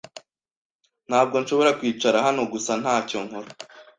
Ntabwo nshobora kwicara hano gusa ntacyo nkora.